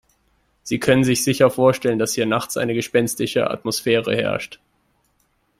Sie können sich sicher vorstellen, dass hier nachts eine gespenstische Atmosphäre herrscht.